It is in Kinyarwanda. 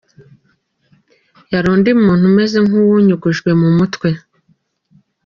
Yari undi muntu umeze nk’uwunyugujwe mu mutwe.